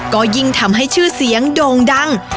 ก็ยิ่งทำให้ชื่อเสียงโด่งดัง